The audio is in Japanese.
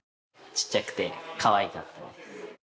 小っちゃくてかわいかったです。